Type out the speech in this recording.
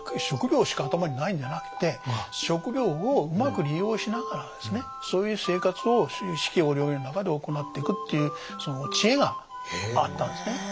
食料しか頭にないんじゃなくて食料をうまく利用しながらですねそういう生活を四季折々の中で行っていくっていうその知恵があったんですね。